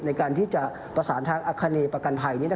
ในการที่จะประสานทางอาคเนประกันภัย